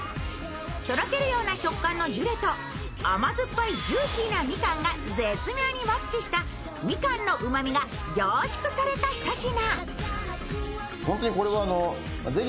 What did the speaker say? とろけるような食感のジュレと甘酸っぱいジューシーなみかんが絶妙にマッチしたみかんのうまみが凝縮されたひと品。